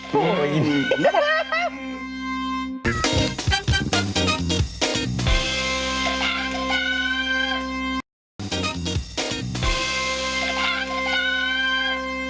พูดอย่างงี้ดี